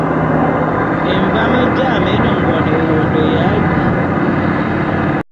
Emvám jām é ne ngon ewondo ya abi.